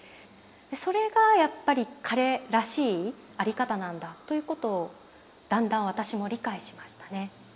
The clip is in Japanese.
それがやっぱり彼らしい在り方なんだということをだんだん私も理解しましたね。